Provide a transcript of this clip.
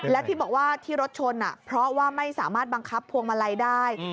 และที่บอกว่าที่รถชนเพราะว่าไม่สามารถบังคับพวงมาลัยได้